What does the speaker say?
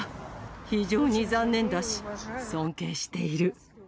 非常に残念だし、尊敬している。